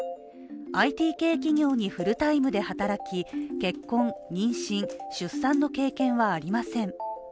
ＩＴ系企業にフルタイムで働き結婚、妊娠、出産の経験はありません。